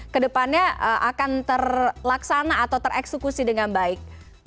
kedepannya akan terlaksana atau tereksekusi dengan baik